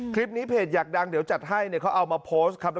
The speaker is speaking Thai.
เพจอยากดังเดี๋ยวจัดให้เนี่ยเขาเอามาโพสต์ครับ